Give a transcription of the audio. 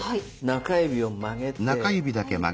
中指を曲げて。